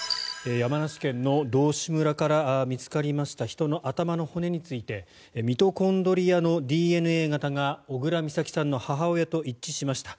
山梨県の道志村から見つかりました人の頭の骨についてミトコンドリアのＤＮＡ型が小倉美咲さんの母親と一致しました。